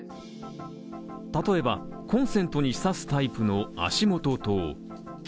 例えば、コンセントに差すタイプの足元灯。